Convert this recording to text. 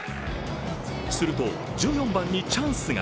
すると１４番にチャンスが。